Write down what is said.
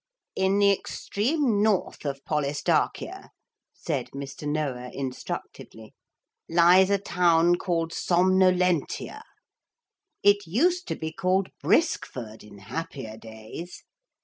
'In the extreme north of Polistarchia,' said Mr. Noah instructively, 'lies a town called Somnolentia. It used to be called Briskford in happier days.